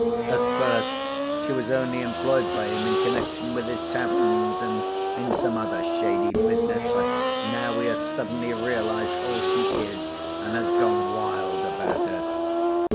At first she was only employed by him in connection with his taverns and in some other shady business, but now he has suddenly realized all she is and has gone wild about her.